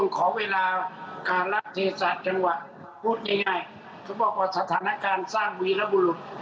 คือพวกของซัตรานาการสร้างวีรบุรุษ